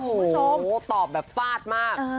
โอ้โหตอบแบบฟาดมาก